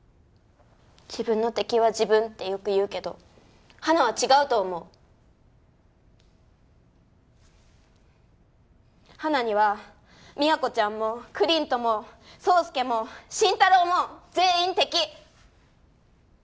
自分の敵は自分ってよく言うけどハナは違うと思うハナには都ちゃんもクリントも草介も真太郎も全員敵！